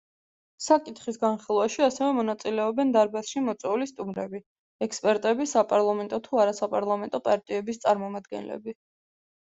საკითხის განხილვაში ასევე მონაწილეობენ დარბაზში მოწვეული სტუმრები: ექსპერტები, საპარლამენტო თუ არასაპარლამენტო პარტიების წარმომადგენლები.